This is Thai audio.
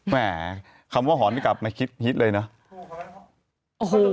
แหมคำว่าหอนนี่กลับมาฮิตเลยนะโอ้โห